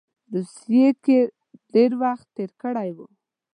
روسیې کې ډېر وخت تېر کړی وو.